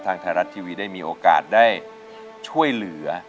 ไทยรัฐทีวีได้มีโอกาสได้ช่วยเหลือ